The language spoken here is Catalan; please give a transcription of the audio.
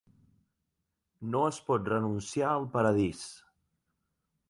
No es pot renunciar al paradís.